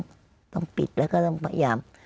ต้องปิดแล้วก็ต้องพยายาม